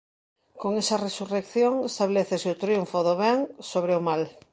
Con esa resurrección establécese o triunfo do ben sobre o mal.